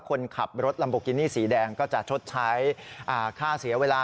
คนขับรถลัมโบกินี่สีแดงก็จะชดใช้ค่าเสียเวลา